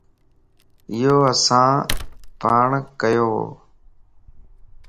ايو اسان پاڻان ڪيووَ